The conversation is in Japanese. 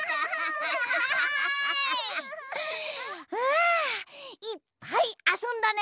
あいっぱいあそんだね！